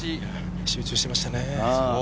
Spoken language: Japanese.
集中していました。